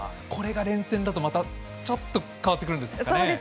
これが連戦だとちょっと変わってくるんですか。